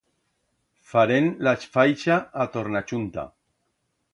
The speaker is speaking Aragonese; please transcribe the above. Farem la faixa a tornachunta.